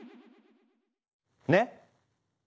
ねっ！